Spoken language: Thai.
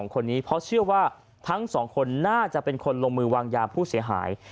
คนนี้เพราะเชื่อว่าทั้งสองคนน่าจะเป็นคนลงมือวางยาผู้เสียหาย